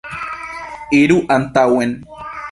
Iru antaŭen.